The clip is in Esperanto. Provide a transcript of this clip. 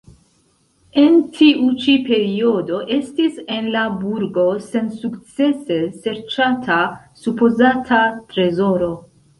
En tiu ĉi periodo estis en la burgo sensukcese serĉata supozata trezoro.